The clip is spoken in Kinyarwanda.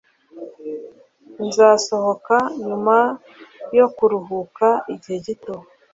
Nzasohoka nyuma yo kuruhuka igihe gito.